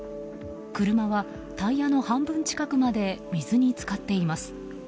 車はタイヤの半分近くまで水に浸かっています。